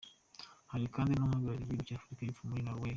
Hari kandi n’uhagarariye igihugu cy’Afrika y’Epfo muri Norway.